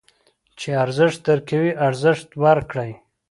چې ارزښت درکوي، ارزښت ورکړئ.